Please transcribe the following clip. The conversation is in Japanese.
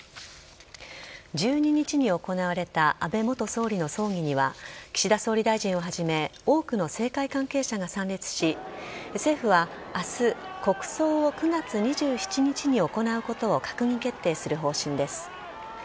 １２日に行われた安倍元総理の葬儀には岸田総理大臣をはじめ多くの政界関係者が参列し政府は明日、国葬を９月２７日に行うことを閣議決定する方針です。